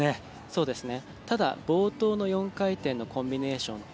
そうですね、ただ冒頭の４回転のコンビネーションと